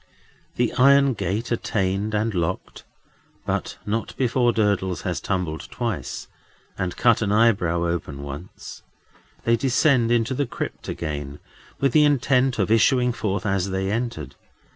The iron gate attained and locked—but not before Durdles has tumbled twice, and cut an eyebrow open once—they descend into the crypt again, with the intent of issuing forth as they entered.